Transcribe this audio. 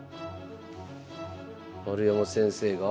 丸山先生が？